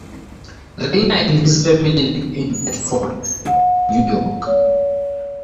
Reyna and his family live in Bedford, New York.